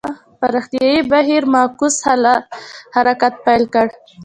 پراختیايي بهیر معکوس حرکت پیل کړ.